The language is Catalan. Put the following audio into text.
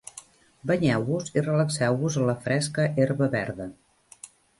Banyeu-vos i relaxeu-vos en la fresca herba verda.